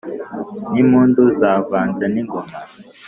n’impundu zavanze n’ingoma